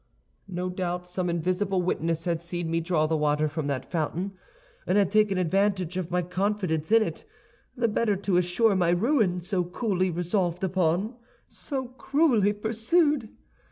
"No doubt some invisible witness had seen me draw the water from that fountain, and had taken advantage of my confidence in it, the better to assure my ruin, so coolly resolved upon, so cruelly pursued.